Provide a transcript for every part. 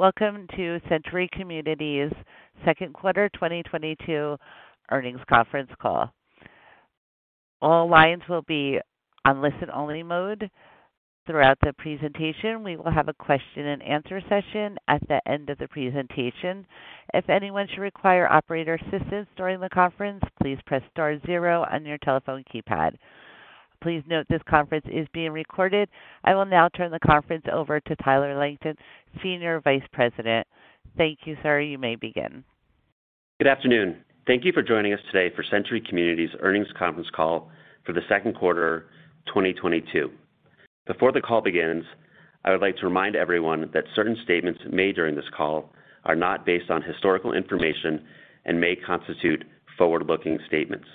Welcome to Century Communities Second Quarter 2022 Earnings Conference Call. All lines will be on listen-only mode throughout the presentation. We will have a Q&A at the end of the presentation. If anyone should require operator assistance during the conference, please press star zero on your telephone keypad. Please note this conference is being recorded. I will now turn the conference over to Tyler Langton, Senior Vice President. Thank you, sir. You may begin. Good afternoon. Thank you for joining us today for Century Communities Earnings Conference Call for the Second Quarter 2022. Before the call begins, I would like to remind everyone that certain statements made during this call are not based on historical information and may constitute forward-looking statements.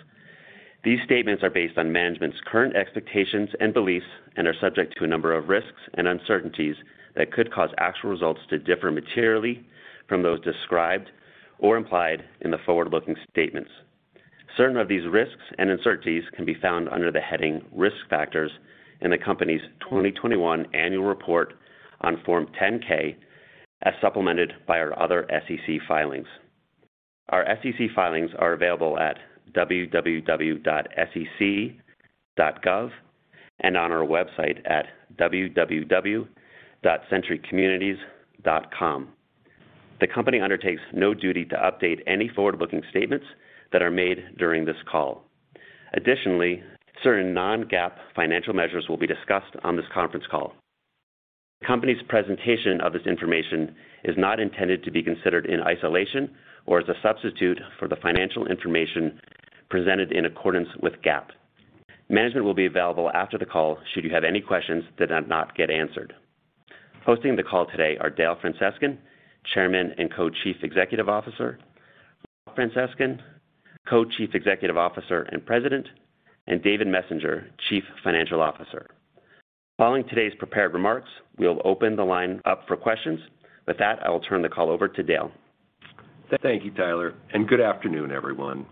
These statements are based on management's current expectations and beliefs and are subject to a number of risks and uncertainties that could cause actual results to differ materially from those described or implied in the forward-looking statements. Certain of these risks and uncertainties can be found under the heading Risk Factors in the company's 2021 annual report on Form 10-K as supplemented by our other SEC filings. Our SEC filings are available at www.sec.gov and on our website at www.centurycommunities.com. The company undertakes no duty to update any forward-looking statements that are made during this call. Additionally, certain non-GAAP financial measures will be discussed on this conference call. The company's presentation of this information is not intended to be considered in isolation or as a substitute for the financial information presented in accordance with GAAP. Management will be available after the call should you have any questions that have not yet been answered. Hosting the call today are Dale Francescon, Chairman and Co-Chief Executive Officer, Rob Francescon, Co-Chief Executive Officer and President, and David Messenger, Chief Financial Officer. Following today's prepared remarks, we'll open the line up for questions. With that, I will turn the call over to Dale. Thank you, Tyler, and good afternoon, everyone.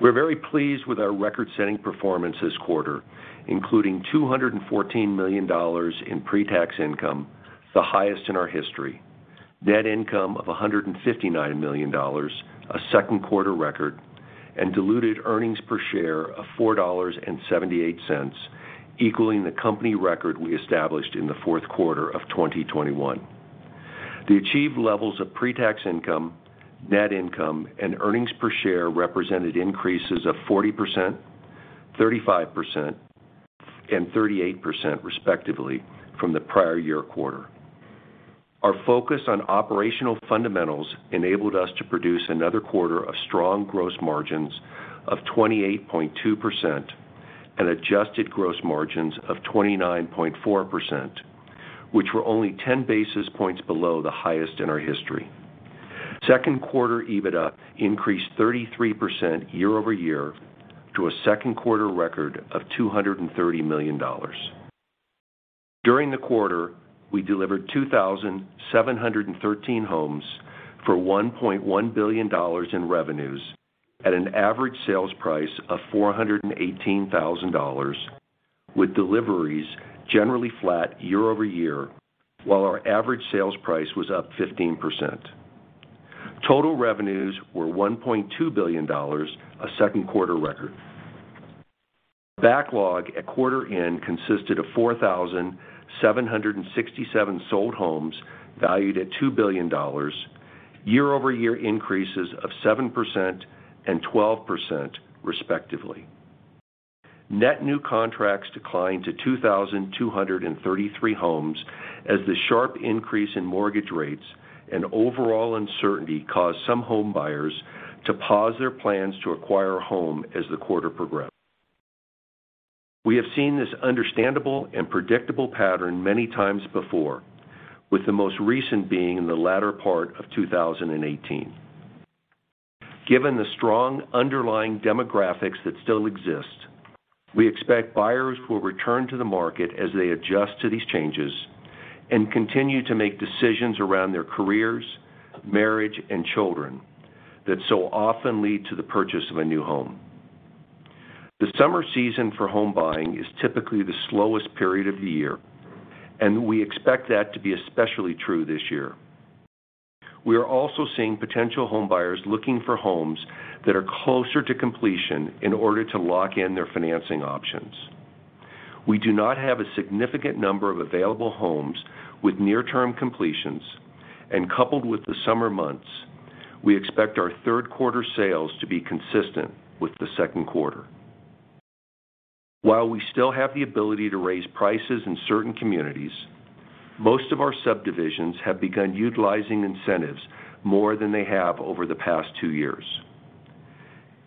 We're very pleased with our record-setting performance this quarter, including $214 million in pre-tax income, the highest in our history. Net income of $159 million, a second quarter record, and diluted EPS of $4.78 equaling the company record we established in the fourth quarter of 2021. The achieved levels of pre-tax income, net income, and EPS represented increases of 40%, 35%, and 38%, respectively, from the prior year quarter. Our focus on operational fundamentals enabled us to produce another quarter of strong gross margins of 28.2% and adjusted gross margins of 29.4%, which were only 10 basis points below the highest in our history. Second quarter Adjusted EBITDA increased 33% YoY to a second quarter record of $230 million. During the quarter, we delivered 2,713 homes for $1.1 billion in revenues at an average sales price of $418,000, with deliveries generally flat YoY, while our average sales price was up 15%. Total revenues were $1.2 billion, a second quarter record. Backlog at quarter end consisted of 4,767 sold homes valued at $2 billion, YoY increases of 7% and 12%, respectively. Net new contracts declined to 2,233 homes as the sharp increase in mortgage rates and overall uncertainty caused some home buyers to pause their plans to acquire a home as the quarter progressed. We have seen this understandable and predictable pattern many times before, with the most recent being in the latter part of 2018. Given the strong underlying demographics that still exist, we expect buyers will return to the market as they adjust to these changes and continue to make decisions around their careers, marriage, and children that so often lead to the purchase of a new home. The summer season for home buying is typically the slowest period of the year, and we expect that to be especially true this year. We are also seeing potential home buyers looking for homes that are closer to completion in order to lock in their financing options. We do not have a significant number of available homes with near-term completions, and coupled with the summer months, we expect our third quarter sales to be consistent with the second quarter. While we still have the ability to raise prices in certain communities, most of our subdivisions have begun utilizing incentives more than they have over the past two years.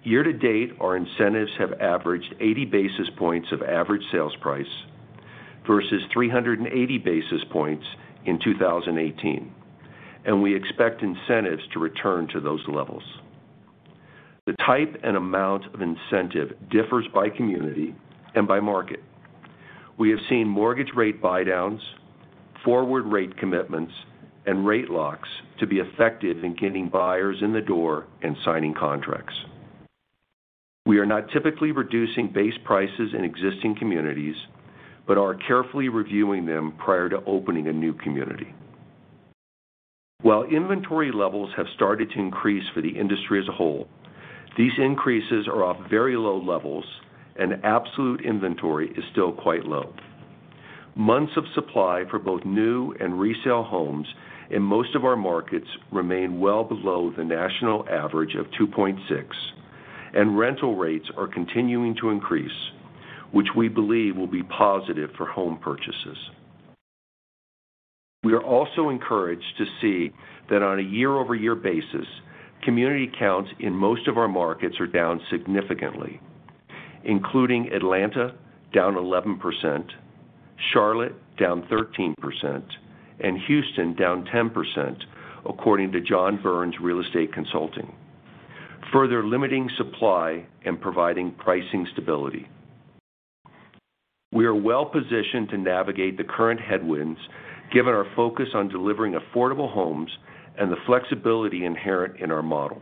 Year to date, our incentives have averaged 80 basis points of average sales price versus 380 basis points in 2018, and we expect incentives to return to those levels. The type and amount of incentive differs by community and by market. We have seen mortgage rate buydowns, forward rate commitments, and rate locks to be effective in getting buyers in the door and signing contracts. We are not typically reducing base prices in existing communities, but are carefully reviewing them prior to opening a new community. While inventory levels have started to increase for the industry as a whole, these increases are off very low levels and absolute inventory is still quite low. Months of supply for both new and resale homes in most of our markets remain well below the national average of 2.6, and rental rates are continuing to increase, which we believe will be positive for home purchases. We are also encouraged to see that on a YoY basis, community counts in most of our markets are down significantly, including Atlanta, down 11%, Charlotte, down 13%, and Houston, down 10%, according to John Burns Real Estate Consulting, further limiting supply and providing pricing stability. We are well positioned to navigate the current headwinds given our focus on delivering affordable homes and the flexibility inherent in our model.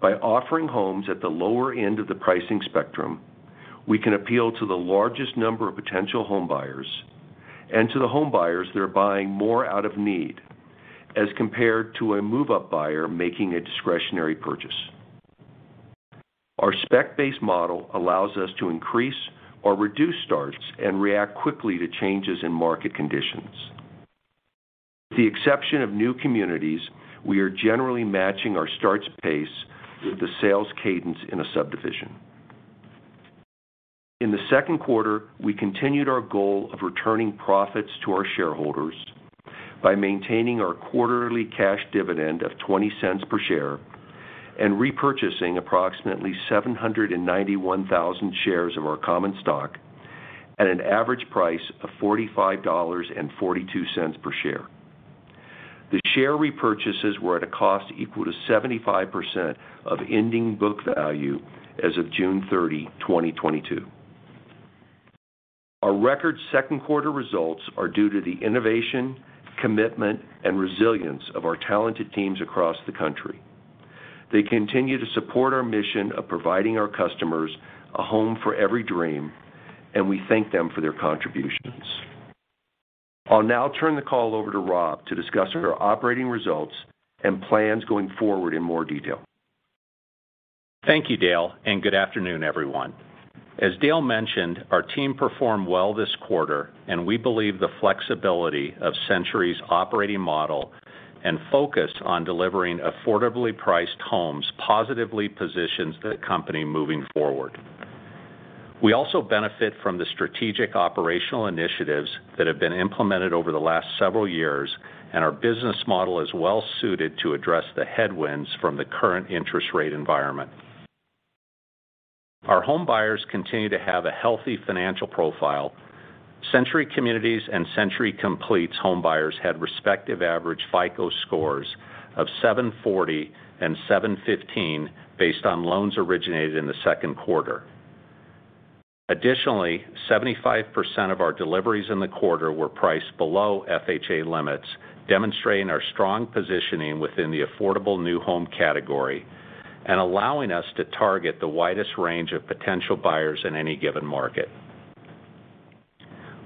By offering homes at the lower end of the pricing spectrum, we can appeal to the largest number of potential homebuyers and to the homebuyers that are buying more out of need as compared to a move-up buyer making a discretionary purchase. Our spec-based model allows us to increase or reduce starts and react quickly to changes in market conditions. With the exception of new communities, we are generally matching our starts pace with the sales cadence in a subdivision. In the second quarter, we continued our goal of returning profits to our shareholders by maintaining our quarterly cash dividend of $0.20 per share and repurchasing approximately 791,000 shares of our common stock at an average price of $45.42 per share. The share repurchases were at a cost equal to 75% of ending book value as of June 30, 2022. Our record second quarter results are due to the innovation, commitment, and resilience of our talented teams across the country. They continue to support our mission of providing our customers a home for every dream, and we thank them for their contributions. I'll now turn the call over to Rob to discuss our operating results and plans going forward in more detail. Thank you, Dale, and good afternoon, everyone. As Dale mentioned, our team performed well this quarter and we believe the flexibility of Century's operating model and focus on delivering affordably priced homes positively positions the company moving forward. We also benefit from the strategic operational initiatives that have been implemented over the last several years, and our business model is well suited to address the headwinds from the current interest rate environment. Our homebuyers continue to have a healthy financial profile. Century Communities and Century Complete homebuyers had respective average FICO scores of 740 and 715 based on loans originated in the second quarter. Additionally, 75% of our deliveries in the quarter were priced below FHA limits, demonstrating our strong positioning within the affordable new home category and allowing us to target the widest range of potential buyers in any given market.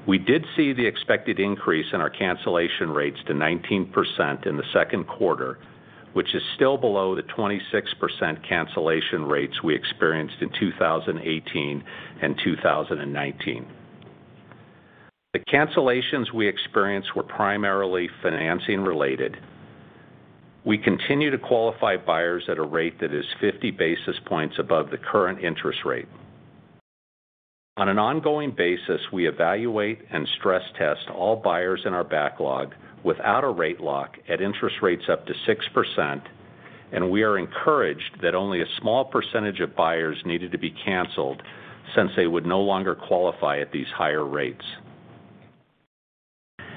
We did see the expected increase in our cancellation rates to 19% in the second quarter, which is still below the 26% cancellation rates we experienced in 2018 and 2019. The cancellations we experienced were primarily financing related. We continue to qualify buyers at a rate that is 50 basis points above the current interest rate. On an ongoing basis, we evaluate and stress test all buyers in our backlog without a rate lock at interest rates up to 6%, and we are encouraged that only a small percentage of buyers needed to be canceled since they would no longer qualify at these higher rates.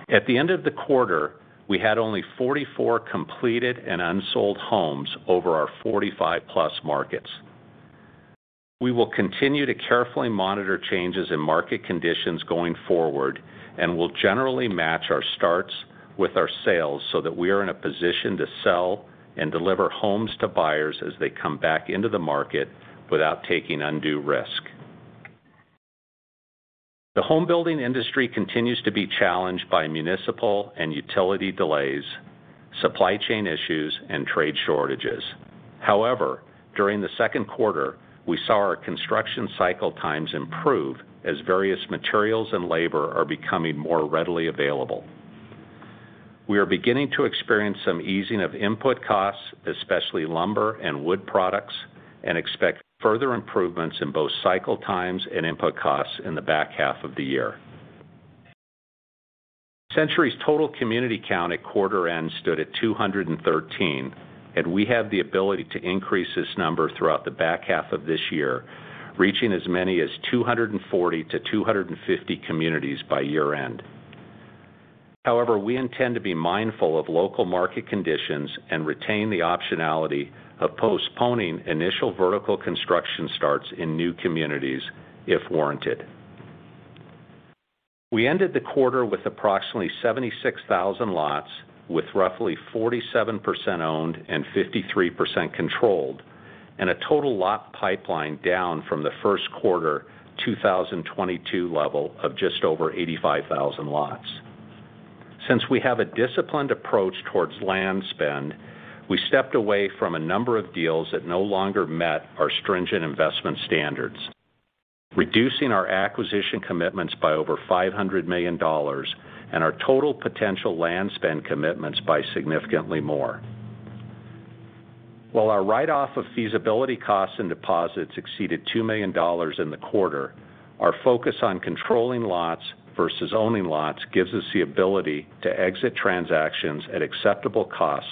At the end of the quarter, we had only 44 completed and unsold homes over our +45 markets. We will continue to carefully monitor changes in market conditions going forward, and we'll generally match our starts with our sales so that we are in a position to sell and deliver homes to buyers as they come back into the market without taking undue risk. The homebuilding industry continues to be challenged by municipal and utility delays, supply chain issues, and trade shortages. However, during the second quarter, we saw our construction cycle times improve as various materials and labor are becoming more readily available. We are beginning to experience some easing of input costs, especially lumber and wood products, and expect further improvements in both cycle times and input costs in the back half of the year. Century's total community count at quarter end stood at 213, and we have the ability to increase this number throughout the back half of this year, reaching as many as 240-250 communities by year-end. However, we intend to be mindful of local market conditions and retain the optionality of postponing initial vertical construction starts in new communities if warranted. We ended the quarter with approximately 76,000 lots, with roughly 47% owned and 53% controlled, and a total lot pipeline down from the first quarter 2022 level of just over 85,000 lots. Since we have a disciplined approach towards land spend, we stepped away from a number of deals that no longer met our stringent investment standards, reducing our acquisition commitments by over $500 million and our total potential land spend commitments by significantly more. While our write-off of feasibility costs and deposits exceeded $2 million in the quarter, our focus on controlling lots versus owning lots gives us the ability to exit transactions at acceptable costs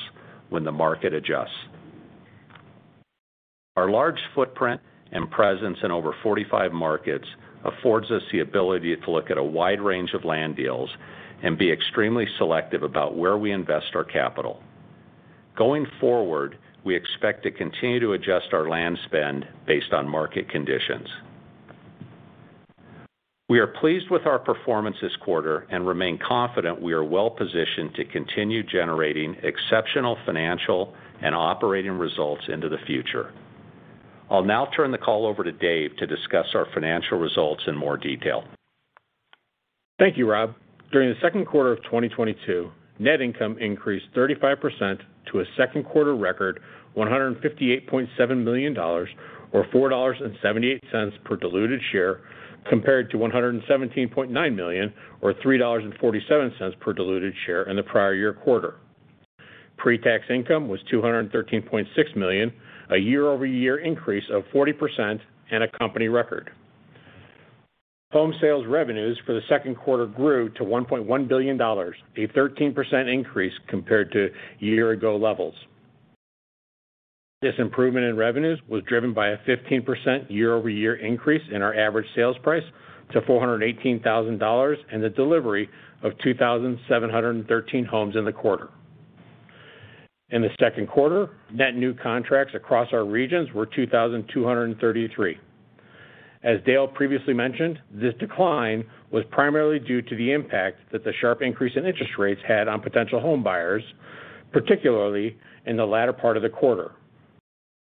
when the market adjusts. Our large footprint and presence in over 45 markets affords us the ability to look at a wide range of land deals and be extremely selective about where we invest our capital. Going forward, we expect to continue to adjust our land spend based on market conditions. We are pleased with our performance this quarter and remain confident we are well positioned to continue generating exceptional financial and operating results into the future. I'll now turn the call over to Dave to discuss our financial results in more detail. Thank you, Rob. During the second quarter of 2022, net income increased 35% to a second-quarter record $158.7 million or $4.78 per diluted share compared to $117.9 million or $3.47 per diluted share in the prior year quarter. Pre-tax income was $213.6 million, a YoY increase of 40% and a company record. Home sales revenues for the second quarter grew to $1.1 billion, a 13% increase compared to year ago levels. This improvement in revenues was driven by a 15% YoY increase in our average sales price to $418,000 and the delivery of 2,713 homes in the quarter. In the second quarter, net new contracts across our regions were 2,233. As Dale previously mentioned, this decline was primarily due to the impact that the sharp increase in interest rates had on potential home buyers, particularly in the latter part of the quarter.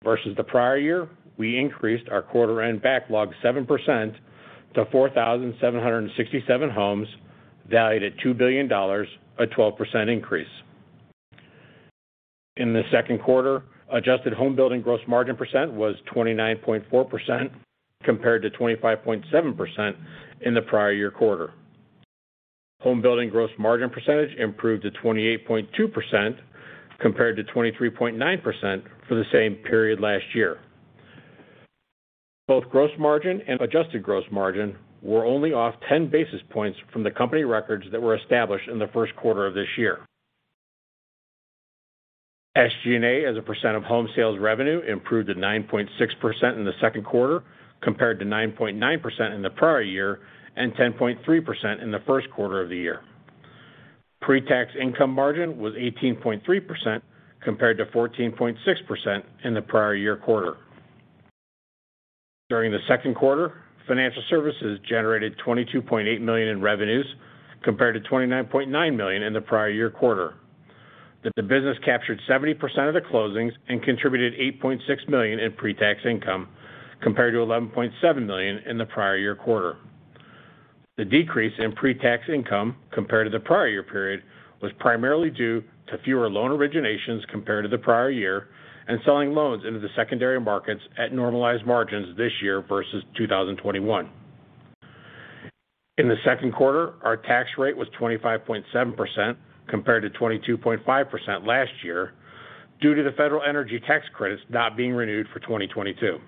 Versus the prior year, we increased our quarter-end backlog 7% to 4,767 homes valued at $2 billion, a 12% increase. In the second quarter, adjusted homebuilding gross margin percent was 29.4% compared to 25.7% in the prior year quarter. Homebuilding gross margin percentage improved to 28.2% compared to 23.9% for the same period last year. Both gross margin and adjusted gross margin were only off 10 basis points from the company records that were established in the first quarter of this year. SG&A, as a percent of home sales revenue, improved to 9.6% in the second quarter compared to 9.9% in the prior year and 10.3% in the first quarter of the year. Pre-tax income margin was 18.3% compared to 14.6% in the prior year quarter. During the second quarter, financial services generated $22.8 million in revenues compared to $29.9 million in the prior year quarter. The business captured 70% of the closings and contributed $8.6 million in pre-tax income compared to $11.7 million in the prior year quarter. The decrease in pre-tax income compared to the prior year period was primarily due to fewer loan originations compared to the prior year and selling loans into the secondary markets at normalized margins this year versus 2021. In the second quarter, our tax rate was 25.7% compared to 22.5% last year due to the federal energy tax credits not being renewed for 2022.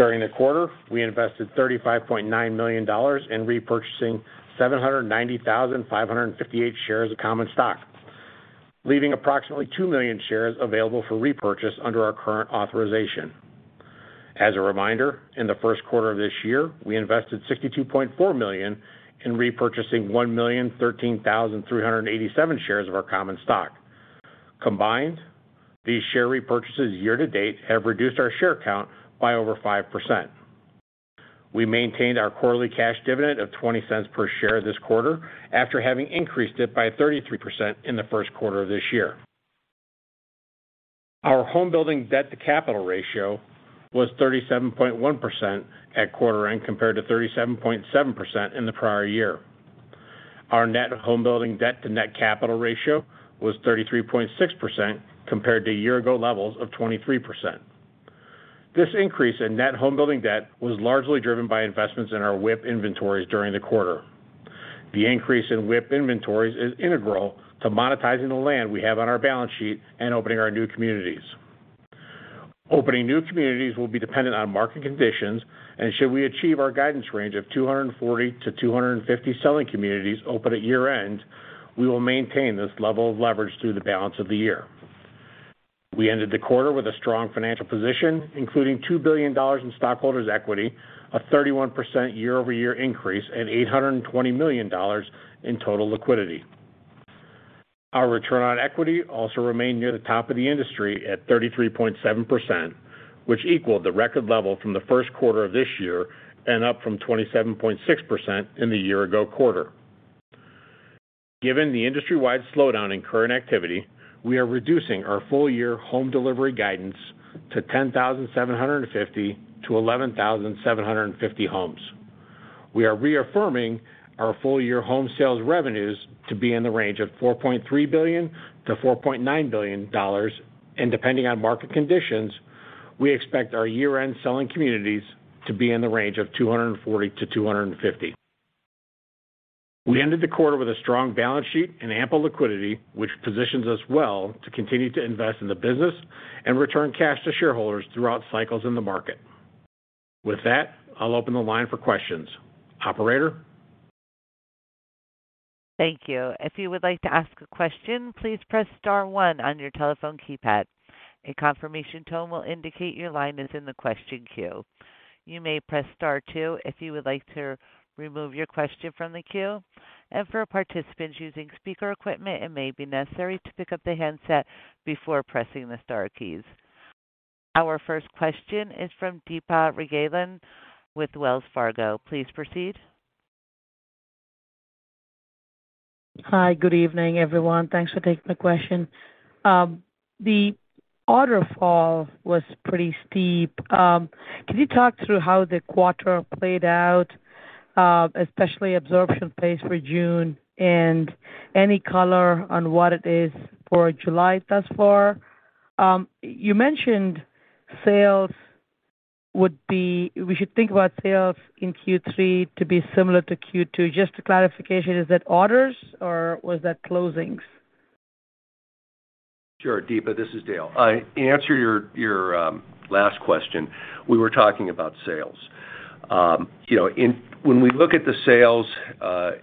During the quarter, we invested $35.9 million in repurchasing 790,558 shares of common stock, leaving approximately 2 million shares available for repurchase under our current authorization. As a reminder, in the first quarter of this year, we invested $62.4 million in repurchasing 1,013,387 shares of our common stock. Combined, these share repurchases year to date have reduced our share count by over 5%. We maintained our quarterly cash dividend of $0.20 per share this quarter after having increased it by 33% in the first quarter of this year. Our homebuilding debt to capital ratio was 37.1% at quarter end compared to 37.7% in the prior year. Our net homebuilding debt to net capital ratio was 33.6% compared to year ago levels of 23%. This increase in net homebuilding debt was largely driven by investments in our WIP inventories during the quarter. The increase in WIP inventories is integral to monetizing the land we have on our balance sheet and opening our new communities. Opening new communities will be dependent on market conditions, and should we achieve our guidance range of 240-250 selling communities open at year-end, we will maintain this level of leverage through the balance of the year. We ended the quarter with a strong financial position, including $2 billion in stockholders' equity, a 31% YoY increase, and $820 million in total liquidity. Our return on equity also remained near the top of the industry at 33.7%, which equaled the record level from the first quarter of this year and up from 27.6% in the year ago quarter. Given the industry-wide slowdown in current activity, we are reducing our full-year home delivery guidance to 10,750-11,750 homes. We are reaffirming our full-year home sales revenues to be in the range of $4.3 billion-$4.9 billion, and depending on market conditions, we expect our year-end selling communities to be in the range of 240-250. We ended the quarter with a strong balance sheet and ample liquidity, which positions us well to continue to invest in the business and return cash to shareholders throughout cycles in the market. With that, I'll open the line for questions. Operator? Thank you. If you would like to ask a question, please press star one on your telephone keypad. A confirmation tone will indicate your line is in the question queue. You may press star two if you would like to remove your question from the queue. For participants using speaker equipment, it may be necessary to pick up the handset before pressing the star keys. Our first question is from Deepa Raghavan with Wells Fargo. Please proceed. Hi. Good evening, everyone. Thanks for taking the question. The order fall was pretty steep. Can you talk through how the quarter played out, especially absorption pace for June and any color on what it is for July thus far? You mentioned we should think about sales in Q3 to be similar to Q2. Just a clarification, is that orders or was that closings? Sure, Deepa, this is Dale. In answer to your last question, we were talking about sales. You know, when we look at the sales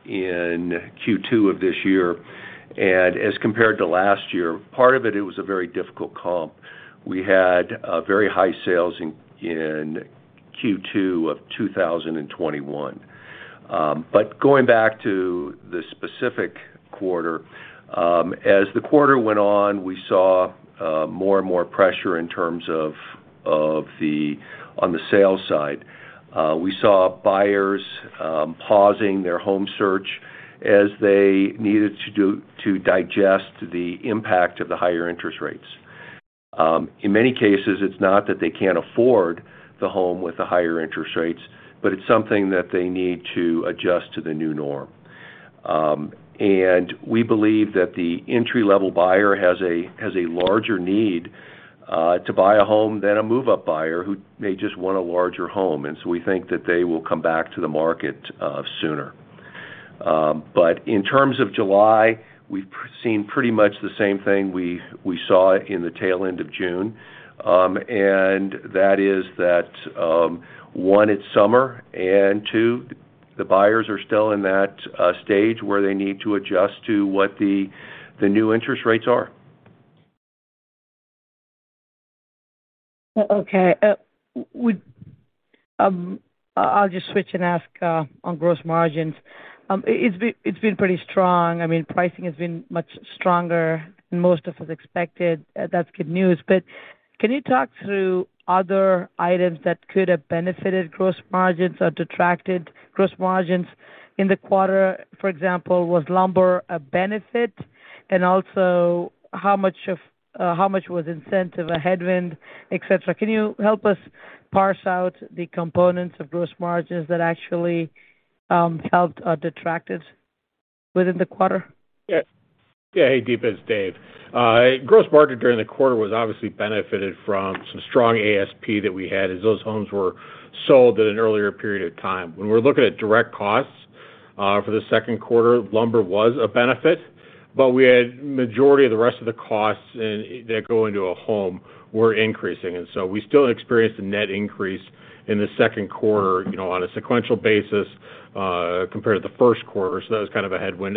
in Q2 of this year and as compared to last year, part of it was a very difficult comp. We had very high sales in Q2 of 2021. Going back to the specific quarter, as the quarter went on, we saw more and more pressure in terms of the sales side. We saw buyers pausing their home search as they needed to digest the impact of the higher interest rates. In many cases, it's not that they can't afford the home with the higher interest rates, but it's something that they need to adjust to the new norm. We believe that the entry-level buyer has a larger need to buy a home than a move-up buyer who may just want a larger home, and so we think that they will come back to the market sooner. In terms of July, we've seen pretty much the same thing we saw in the tail end of June. That is that one, it's summer, and two, the buyers are still in that stage where they need to adjust to what the new interest rates are. Okay. I'll just switch and ask on gross margins. It's been pretty strong. I mean, pricing has been much stronger than most of us expected. That's good news. Can you talk through other items that could have benefited gross margins or detracted gross margins in the quarter? For example, was lumber a benefit? Also how much was incentive, a headwind, etc.? Can you help us parse out the components of gross margins that actually helped or detracted within the quarter? Yeah. Yeah. Hey, Deepa, it's Dave. Gross margin during the quarter was obviously benefited from some strong ASP that we had as those homes were sold at an earlier period of time. When we're looking at direct costs for the second quarter, lumber was a benefit, but we had majority of the rest of the costs that go into a home were increasing. We still experienced a net increase in the second quarter, you know, on a sequential basis compared to the first quarter. That was kind of a headwind.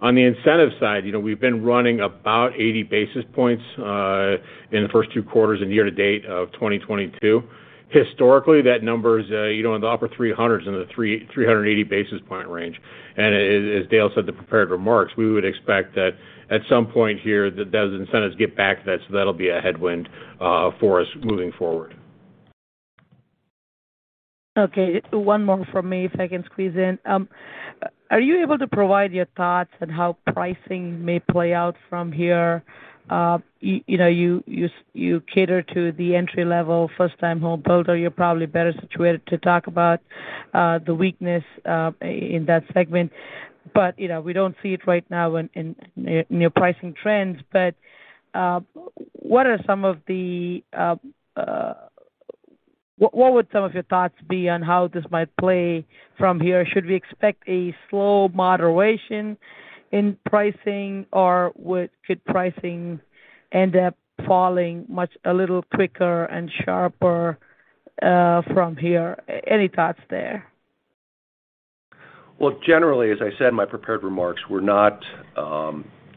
On the incentive side, you know, we've been running about 80 basis points in the first two quarters and year to date of 2022. Historically, that number is, you know, in the upper 300s, in the 380 basis point range. As Dale said in the prepared remarks, we would expect that at some point here those incentives get back to that, so that'll be a headwind for us moving forward. Okay, one more from me if I can squeeze in. Are you able to provide your thoughts on how pricing may play out from here? You know, you cater to the entry-level first-time homebuyer. You're probably better situated to talk about the weakness in that segment. You know, we don't see it right now in your pricing trends. What are some of your thoughts on how this might play from here? Should we expect a slow moderation in pricing, or could pricing end up falling a little quicker and sharper from here? Any thoughts there? Well, generally, as I said in my prepared remarks, we're not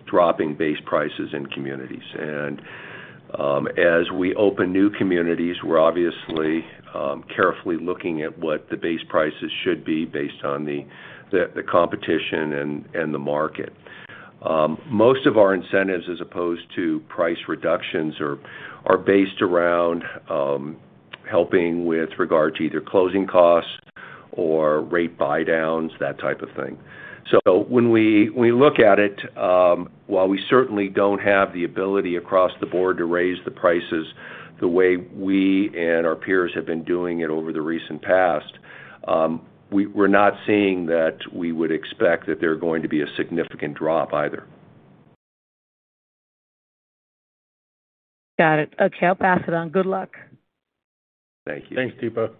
dropping base prices in communities. As we open new communities, we're obviously carefully looking at what the base prices should be based on the competition and the market. Most of our incentives, as opposed to price reductions, are based around helping with regard to either closing costs or rate buydowns, that type of thing. When we look at it, while we certainly don't have the ability across the board to raise the prices the way we and our peers have been doing it over the recent past, we're not seeing that we would expect that there are going to be a significant drop either. Got it. Okay, I'll pass it on. Good luck. Thank you. Thanks, Deepa.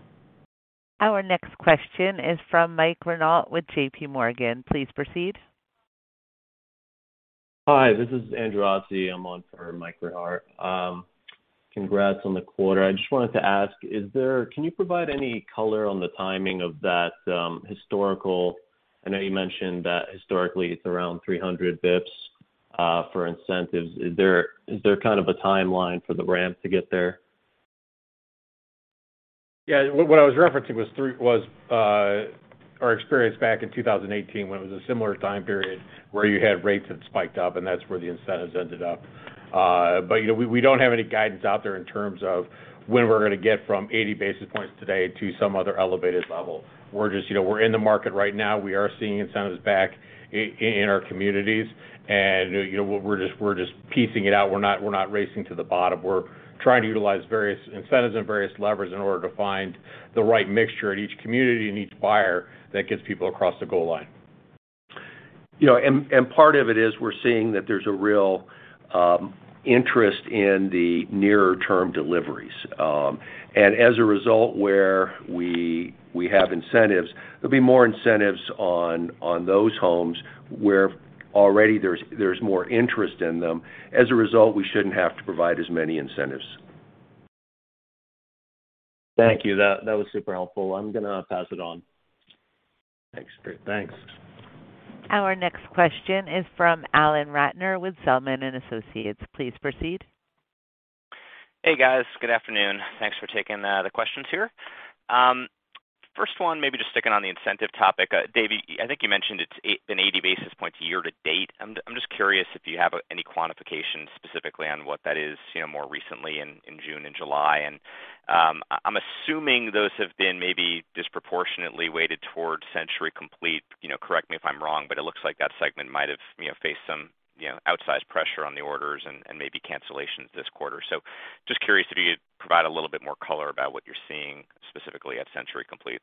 Our next question is from Mike Rehaut with JPMorgan. Please proceed. Hi, this is Andrew Azzi. I'm on for Mike Rehaut. Congrats on the quarter. I just wanted to ask, can you provide any color on the timing of that historical. I know you mentioned that historically it's around 300 BPS for incentives. Is there kind of a timeline for the ramp to get there? Yeah. What I was referencing was our experience back in 2018 when it was a similar time period where you had rates that spiked up, and that's where the incentives ended up. You know, we don't have any guidance out there in terms of when we're gonna get from 80 basis points today to some other elevated level. We're just, you know, we're in the market right now. We are seeing incentives back in our communities. You know, we're just piecing it out. We're not racing to the bottom. We're trying to utilize various incentives and various levers in order to find the right mixture at each community and each buyer that gets people across the goal line. You know, part of it is we're seeing that there's a real interest in the nearer-term deliveries. As a result, where we have incentives, there'll be more incentives on those homes where already there's more interest in them. As a result, we shouldn't have to provide as many incentives. Thank you. That was super helpful. I'm gonna pass it on. Thanks. Great. Thanks. Our next question is from Alan Ratner with Zelman & Associates. Please proceed. Hey, guys. Good afternoon. Thanks for taking the questions here. First one, maybe just sticking on the incentive topic. David, I think you mentioned it's been 80 basis points year to date. I'm just curious if you have any quantification specifically on what that is, you know, more recently in June and July. I'm assuming those have been maybe disproportionately weighted towards Century Complete. You know, correct me if I'm wrong, but it looks like that segment might have faced some outsized pressure on the orders and maybe cancellations this quarter. Just curious if you could provide a little bit more color about what you're seeing specifically at Century Complete.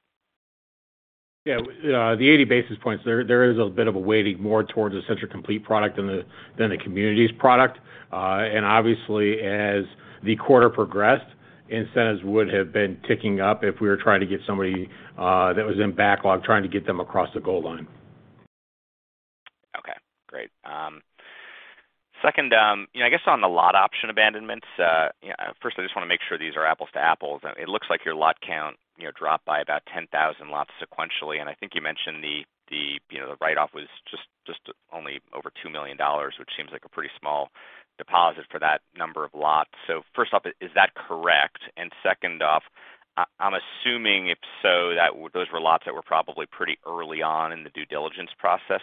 The 80 basis points there is a bit of a weighting more towards the Century Complete product than the communities product. Obviously as the quarter progressed, incentives would have been ticking up if we were trying to get somebody that was in backlog, trying to get them across the goal line. Okay, great. Second, you know, I guess on the lot option abandonments, first I just wanna make sure these are apples to apples. It looks like your lot count, you know, dropped by about 10,000 lots sequentially, and I think you mentioned the you know, the write-off was just only over $2 million, which seems like a pretty small deposit for that number of lots. First off, is that correct? Second off, I'm assuming if so, that those were lots that were probably pretty early on in the due diligence process.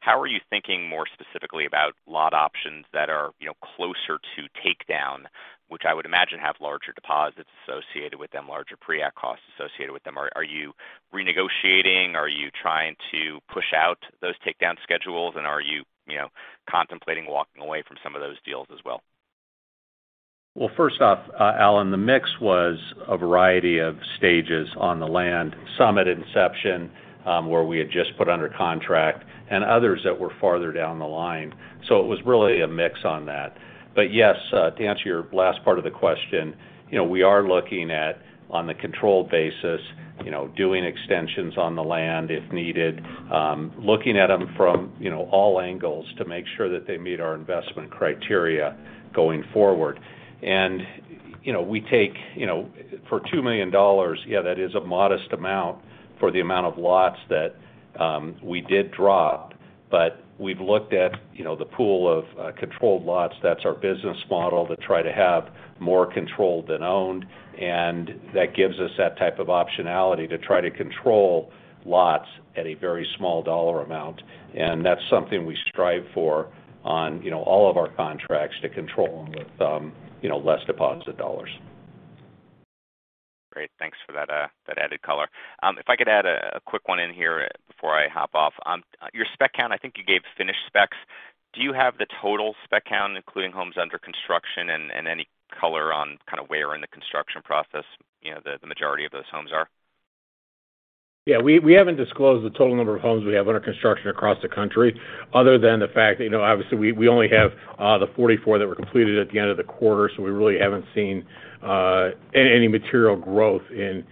How are you thinking more specifically about lot options that are, you know, closer to takedown, which I would imagine have larger deposits associated with them, larger pre-act costs associated with them? Are you renegotiating? Are you trying to push out those takedown schedules? Are you know, contemplating walking away from some of those deals as well? Well, first off, Alan, the mix was a variety of stages on the land, some at inception, where we had just put under contract and others that were farther down the line. It was really a mix on that. Yes, to answer your last part of the question, you know, we are looking at, on the controlled basis, you know, doing extensions on the land if needed, looking at them from, you know, all angles to make sure that they meet our investment criteria going forward. You know, we take, you know, for $2 million, yeah, that is a modest amount for the amount of lots that we did drop. We've looked at, you know, the pool of controlled lots. That's our business model to try to have more controlled than owned, and that gives us that type of optionality to try to control lots at a very small dollar amount. That's something we strive for on, you know, all of our contracts to control with, you know, less deposit dollars. Great. Thanks for that added color. If I could add a quick one in here before I hop off. On your spec count, I think you gave finished specs. Do you have the total spec count, including homes under construction and any color on kind of where in the construction process, you know, the majority of those homes are? Yeah. We haven't disclosed the total number of homes we have under construction across the country other than the fact that, you know, obviously we only have the 44 that were completed at the end of the quarter, so we really haven't seen any material growth in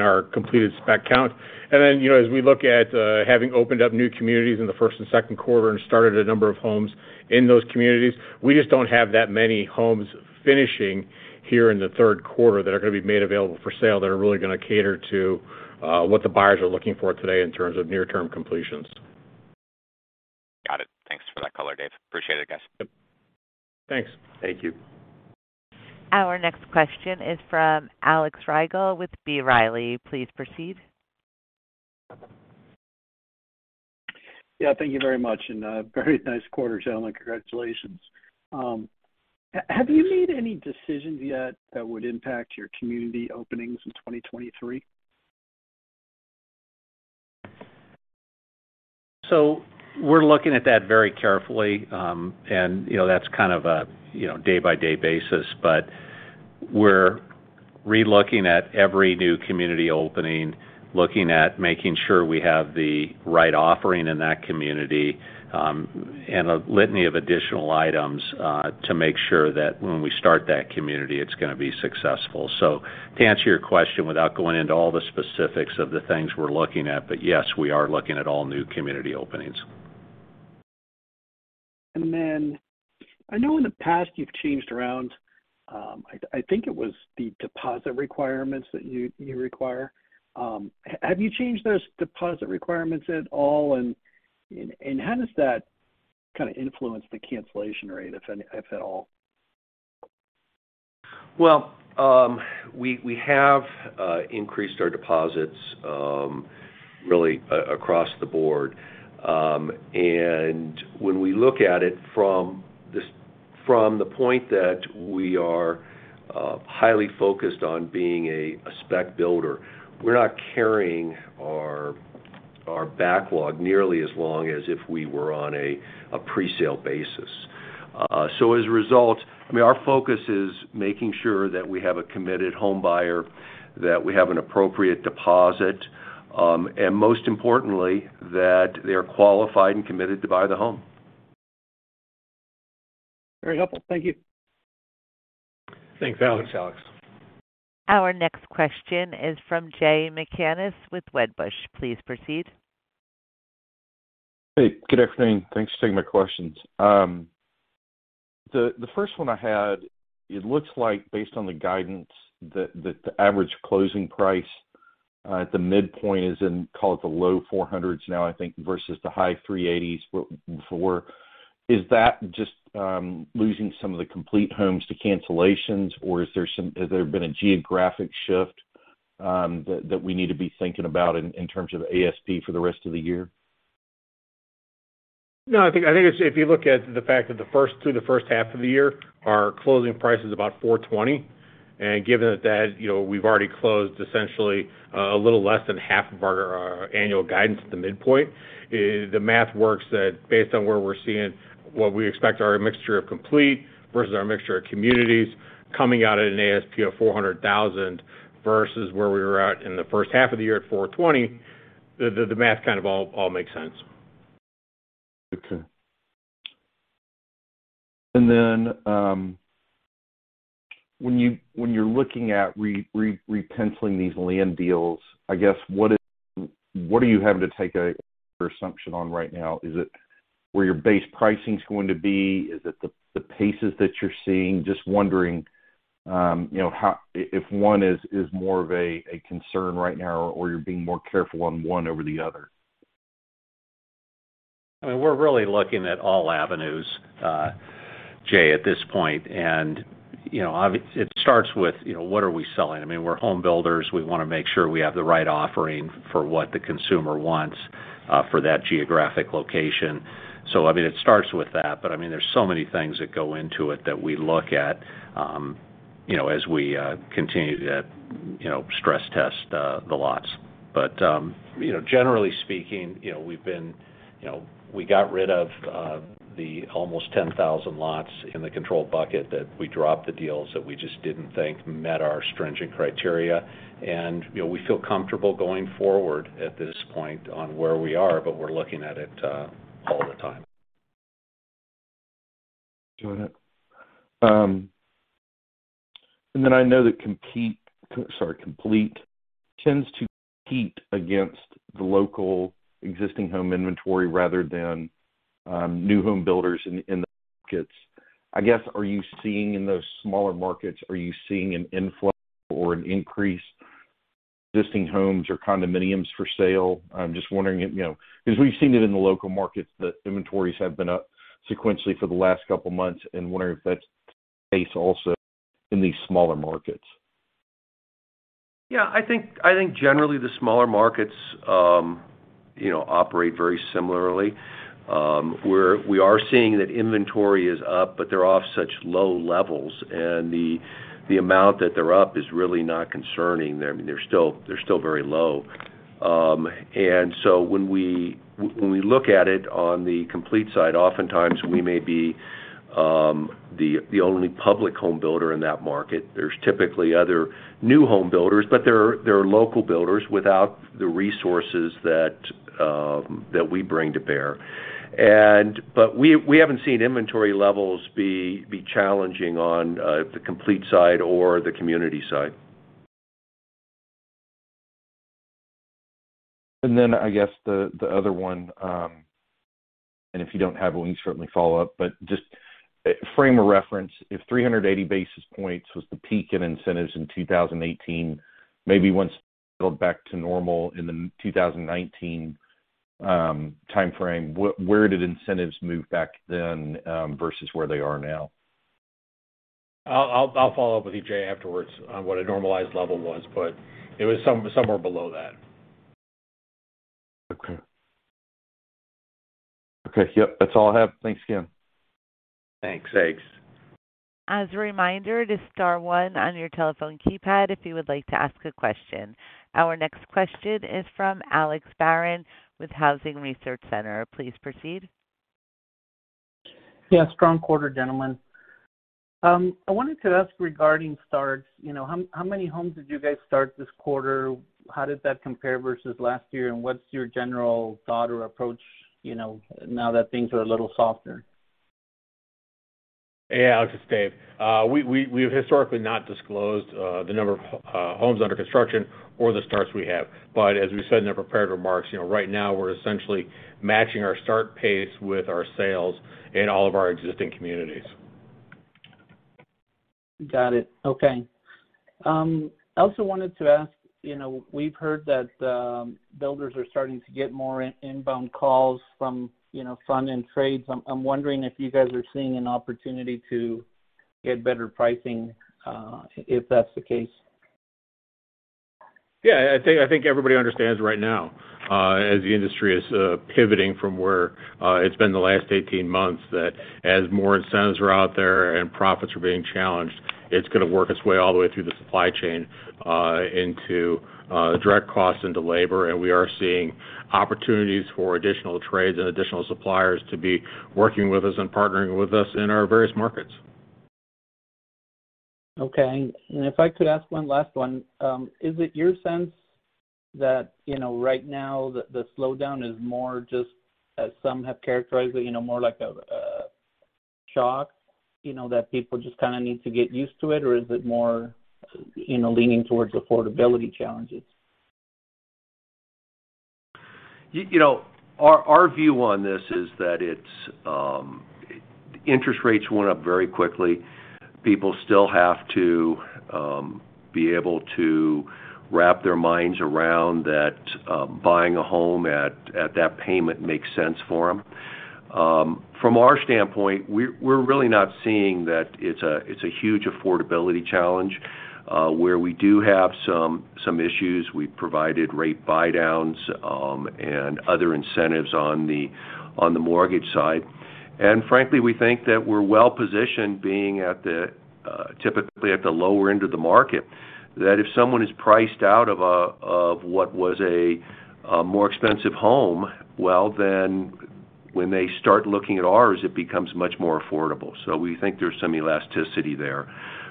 our completed spec count. You know, as we look at having opened up new communities in the first and second quarter and started a number of homes in those communities, we just don't have that many homes finishing here in the third quarter that are gonna be made available for sale that are really gonna cater to what the buyers are looking for today in terms of near-term completions. Got it. Thanks for that color, David. Appreciate it, guys. Yep. Thanks. Thank you. Our next question is from Alex Rygiel with B. Riley. Please proceed. Yeah, thank you very much, and very nice quarter, gentlemen. Congratulations. Have you made any decisions yet that would impact your community openings in 2023? We're looking at that very carefully, and, you know, that's kind of a, you know, day-by-day basis. We're relooking at every new community opening, looking at making sure we have the right offering in that community, and a litany of additional items, to make sure that when we start that community, it's gonna be successful. To answer your question, without going into all the specifics of the things we're looking at, but yes, we are looking at all new community openings. I know in the past you've changed around, I think it was the deposit requirements that you require. Have you changed those deposit requirements at all, and how does that kind of influence the cancellation rate, if at all? Well, we have increased our deposits really across the board. When we look at it from the point that we are highly focused on being a spec builder, we're not carrying our backlog nearly as long as if we were on a presale basis. As a result, I mean, our focus is making sure that we have a committed homebuyer, that we have an appropriate deposit, and most importantly, that they're qualified and committed to buy the home. Very helpful. Thank you. Thanks, Alex. Thanks, Alex. Our next question is from Jay McCanless with Wedbush. Please proceed. Hey, good afternoon. Thanks for taking my questions. The first one I had, it looks like based on the guidance that the average closing price at the midpoint is in, call it, the low $400s now, I think, versus the high $380s before. Is that just losing some of the complete homes to cancellations, or has there been a geographic shift that we need to be thinking about in terms of ASP for the rest of the year? No, I think it's if you look at the fact that through the first half of the year, our closing price is about $420,000, and given that, you know, we've already closed essentially a little less than half of our annual guidance at the midpoint, the math works that based on where we're seeing what we expect our mixture of complete versus our mixture of communities coming out at an ASP of $400,000 versus where we were at in the first half of the year at $420,000, the math kind of all makes sense. Okay. When you're looking at re-penciling these land deals, I guess, what are you having to take an assumption on right now? Is it where your base pricing is going to be? Is it the paces that you're seeing? Just wondering, you know, how if one is more of a concern right now or you're being more careful on one over the other. I mean, we're really looking at all avenues, Jay, at this point. You know, it starts with, you know, what are we selling? I mean, we're home builders. We wanna make sure we have the right offering for what the consumer wants, for that geographic location. I mean, it starts with that, but I mean, there's so many things that go into it that we look at, you know, as we continue to, you know, stress test the lots. You know, generally speaking, you know, we got rid of the almost 10,000 lots in the control bucket that we dropped the deals that we just didn't think met our stringent criteria. You know, we feel comfortable going forward at this point on where we are, but we're looking at it all the time. Got it. I know that Complete tends to compete against the local existing home inventory rather than new home builders in the markets. I guess, are you seeing in those smaller markets an influx or an increase in existing homes or condominiums for sale? I'm just wondering if, you know, 'cause we've seen it in the local markets that inventories have been up sequentially for the last couple months and wondering if that's the case also in these smaller markets. Yeah. I think generally the smaller markets, you know, operate very similarly. We are seeing that inventory is up, but they're off such low levels, and the amount that they're up is really not concerning. I mean, they're still very low. When we look at it on the complete side, oftentimes we may be the only public home builder in that market. There's typically other new home builders, but they're local builders without the resources that we bring to bear. We haven't seen inventory levels be challenging on the complete side or the community side. I guess the other one, and if you don't have one, we can certainly follow up, but just a frame of reference, if 380 basis points was the peak in incentives in 2018, maybe once it built back to normal in the mid-2019 time frame, where did incentives move back then versus where they are now? I'll follow up with you, Jay, afterwards on what a normalized level was, but it was somewhere below that. Okay. Okay. Yep, that's all I have. Thanks again. Thanks. As a reminder to star one on your telephone keypad if you would like to ask a question. Our next question is from Alex Barrón with Housing Research Center. Please proceed. Yeah, strong quarter, gentlemen. I wanted to ask regarding starts, you know, how many homes did you guys start this quarter? How did that compare versus last year? What's your general thought or approach, you know, now that things are a little softer? Yeah, Alex, it's David. We've historically not disclosed the number of homes under construction or the starts we have. As we said in our prepared remarks, you know, right now we're essentially matching our start pace with our sales in all of our existing communities. Got it. Okay. I also wanted to ask, you know, we've heard that builders are starting to get more inbound calls from, you know, funds and trades. I'm wondering if you guys are seeing an opportunity to get better pricing, if that's the case. Yeah, I think everybody understands right now, as the industry is pivoting from where it's been the last 18 months, that as more incentives are out there and profits are being challenged, it's gonna work its way all the way through the supply chain, into direct costs into labor. We are seeing opportunities for additional trades and additional suppliers to be working with us and partnering with us in our various markets. Okay. If I could ask one last one. Is it your sense that, you know, right now the slowdown is more just as some have characterized it, you know, more like a shock, you know, that people just kind of need to get used to it? Or is it more, you know, leaning towards affordability challenges? You know, our view on this is that it's interest rates went up very quickly. People still have to be able to wrap their minds around that, buying a home at that payment makes sense for them. From our standpoint, we're really not seeing that it's a huge affordability challenge. Where we do have some issues, we've provided rate buy downs and other incentives on the mortgage side. Frankly, we think that we're well positioned being at the typically at the lower end of the market, that if someone is priced out of of what was a more expensive home, well, then when they start looking at ours, it becomes much more affordable. We think there's some elasticity there.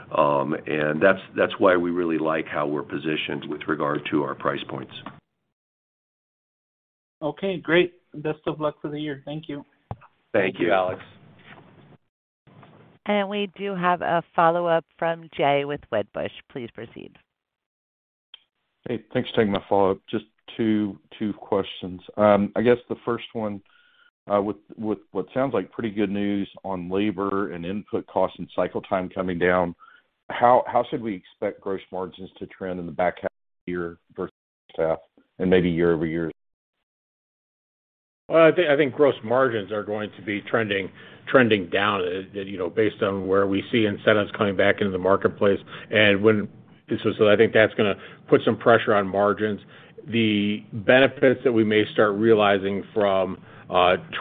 That's why we really like how we're positioned with regard to our price points. Okay, great. Best of luck for the year. Thank you. Thank you, Alex. We do have a follow-up from Jay with Wedbush. Please proceed. Hey, thanks for taking my follow-up. Just two questions. I guess the first one, with what sounds like pretty good news on labor and input costs and cycle time coming down, how should we expect gross margins to trend in the back half of the year versus the first half and maybe YoY? Well, I think gross margins are going to be trending down, you know, based on where we see incentives coming back into the marketplace. I think that's gonna put some pressure on margins. The benefits that we may start realizing from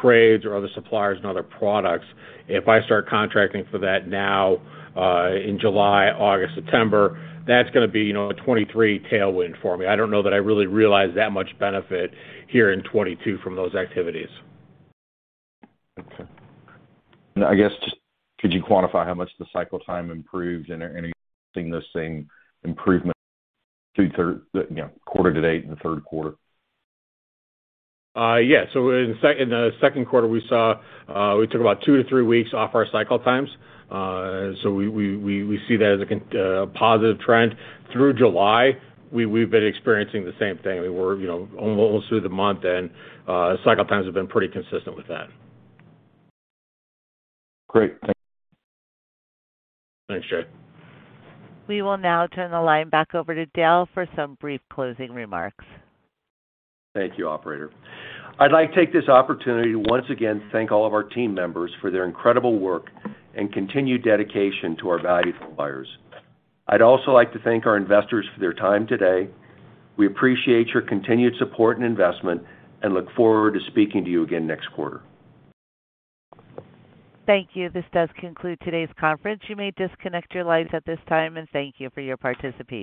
trades or other suppliers and other products, if I start contracting for that now in July, August, September, that's gonna be, you know, a 2023 tailwind for me. I don't know that I really realize that much benefit here in 2022 from those activities. Okay. I guess just could you quantify how much the cycle time improved? Are you seeing the same improvement two-thirds, you know, quarter to date in the third quarter? In the second quarter, we saw we took about 2 weeks-3 weeks off our cycle times. We see that as a positive trend. Through July, we've been experiencing the same thing. We're, you know, almost through the month, and cycle times have been pretty consistent with that. Great. Thank you. Thanks, Jay. We will now turn the line back over to Dale for some brief closing remarks. Thank you, operator. I'd like to take this opportunity to once again thank all of our team members for their incredible work and continued dedication to our value for buyers. I'd also like to thank our investors for their time today. We appreciate your continued support and investment and look forward to speaking to you again next quarter. Thank you. This does conclude today's conference. You may disconnect your lines at this time, and thank you for your participation.